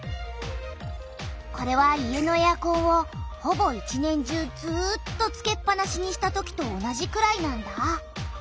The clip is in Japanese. これは家のエアコンをほぼ一年中ずっとつけっぱなしにしたときと同じくらいなんだ。